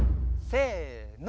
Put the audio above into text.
せの。